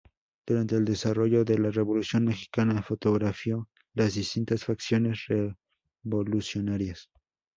Durante el desarrollo de la Revolución Mexicana fotografió las distintas facciones revolucionarias.